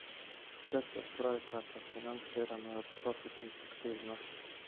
Десет пројеката финансирано је од профитних активности.